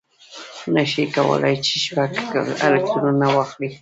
نه شي کولای چې شپږ الکترونه واخلي.